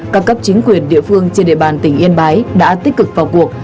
các cấp chính quyền địa phương trên địa bàn tỉnh yên bái đã tích cực vào cuộc